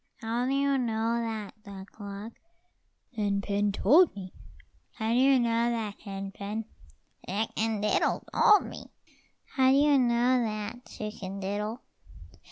"How do you know that, Duck luck?" "Hen pen told me." "How do you know that, Hen pen?" "Chicken diddle told me." "How do you know that, Chicken diddle?"